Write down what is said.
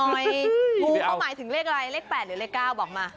บอกหน่อยกูเขาหมายถึงเลขอะไรเลข๘หรือเลข๙บอกมา